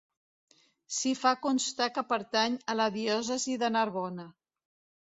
S'hi fa constar que pertany a la diòcesi de Narbona.